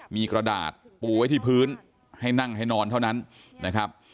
มีกระดาษปูไว้ที่พื้นให้นั่งให้นอนเท่านั้นนะครับ